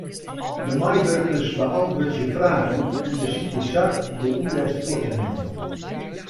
De meiwurkers beäntwurdzje fragen en besykje sa de ûnrêst fuort te nimmen.